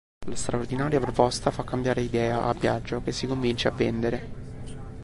La straordinaria proposta fa cambiare idea a Biagio che si convince a vendere.